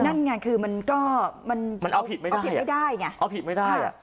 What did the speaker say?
นั่นไงคือมันก็มันเอาผิดไม่ได้มันผิดไม่ได้ไงเอาผิดไม่ได้อ่ะ